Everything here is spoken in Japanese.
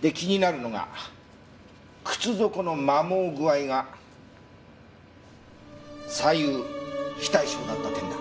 で気になるのが靴底の磨耗具合が左右非対称だった点だ。